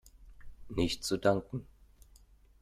Nichts zu danken!